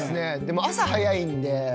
でも朝早いんで。